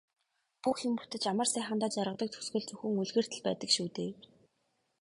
Бүх юм бүтэж амар сайхандаа жаргадаг төгсгөл зөвхөн үлгэрт л байдаг шүү дээ.